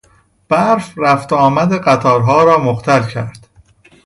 برف رفت و آمد قطارها را مختل کرد.